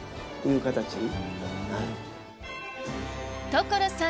所さん